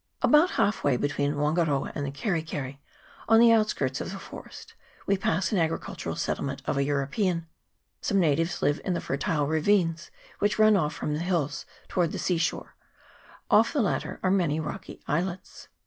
About half way between Wangaroa and the Keri keri, on the outskirts of the forest, we pass an agricultural settlement of a European. Some natives live in the fertile ravines which run off from the hills towards the sea shore : off the latter are many rocky islets.